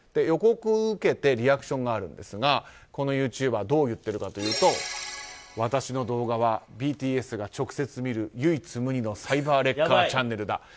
予告を受けてリアクションがあるんですがこのユーチューバー私の動画はＢＴＳが直接見る唯一無二のサイバーレッカーチャンネルだ。